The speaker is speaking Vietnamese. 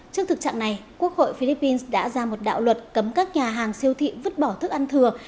trước thực trạng này quốc hội philippines đã ra một đạo luật cấm các nhà hàng siêu thị vứt bỏ thức ăn thừa